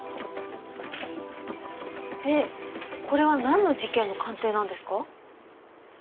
でこれはなんの事件の鑑定なんですか？